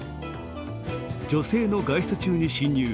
女性の外出中に侵入。